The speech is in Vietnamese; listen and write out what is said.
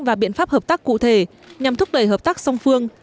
và biện pháp hợp tác cụ thể nhằm thúc đẩy hợp tác song phương